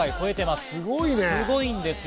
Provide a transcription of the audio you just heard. すごいんですよ。